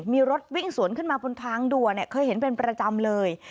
มีรถวิ่งสวนขึ้นมาบนทางด่วนเคยเห็นเป็นประจำเลย